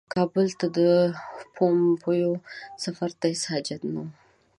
کابل ته د پومپیو سفر ته هیڅ حاجت نه وو.